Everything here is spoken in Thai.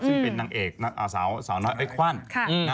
ซึ่งเป็นนางเอกนักเอ่อสาวสาวน้อยไอ้ควันค่ะอืม